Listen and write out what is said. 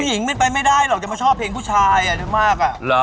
ผู้หญิงมันไปไม่ได้หรอกจะมาชอบเพลงผู้ชายอ่ะด้วยมากอ่ะ